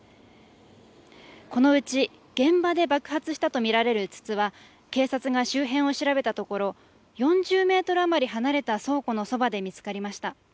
このうち、現場で爆発したとみられる筒は警察が周辺を調べたところ４０メートル余り離れた倉庫のそばで見つかりました。